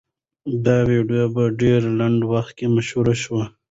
دا ویډیو په ډېر لنډ وخت کې مشهوره شوه.